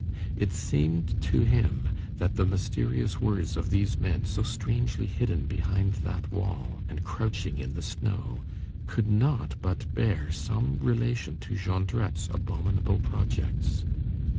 It seemed to him that the mysterious words of these men, so strangely hidden behind that wall, and crouching in the snow, could not but bear some relation to Jondrette's abominable projects.